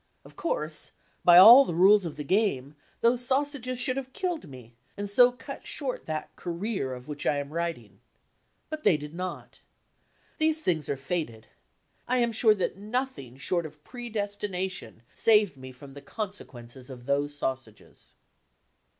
Of course, by all the rules of the game, those sausages should have killed me, and so cut short that "ca reer" of which I am wridng. But they did not. These things are fated. I am sure that nothing short of pre desdiuition saved me from the consequences of those sausages.